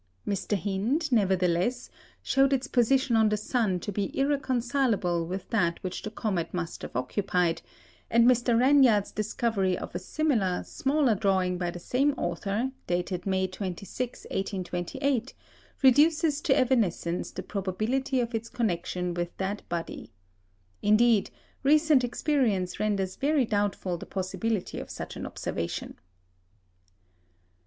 Mr. Hind, nevertheless, showed its position on the sun to be irreconcilable with that which the comet must have occupied; and Mr. Ranyard's discovery of a similar smaller drawing by the same author, dated May 26, 1828, reduces to evanescence the probability of its connection with that body. Indeed, recent experience renders very doubtful the possibility of such an observation.